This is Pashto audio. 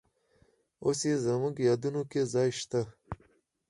اوس یې زموږ یادونو کې ځای شته.